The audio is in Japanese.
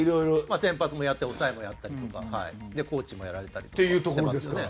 先発もやって抑えもやってコーチもやられたりしてますよね。